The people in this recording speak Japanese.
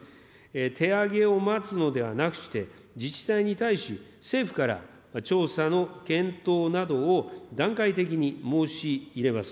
手挙げを待つのではなくして、自治体に対し、政府から調査の検討などを段階的に申し入れます。